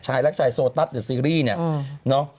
ชายรักชายโซตัสเธอซีรีส์เนี่ย